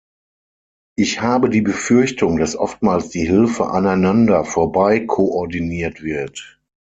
Ich habe die Befürchtung, dass oftmals die Hilfe aneinander vorbei koordiniert wird.